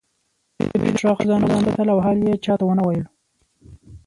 دوی د پیترا خزانه وساتله او حال یې چا ته ونه ویلو.